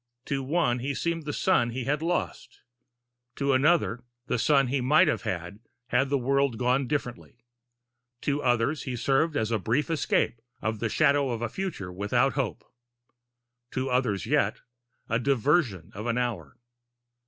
To one he seemed the son he had lost, to another the son he might have had, had the world gone differently. To others he served as a brief escape from the shadow of a future without hope; to others yet, the diversion of an hour.